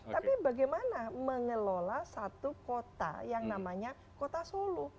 tapi bagaimana mengelola satu kota yang namanya kota solo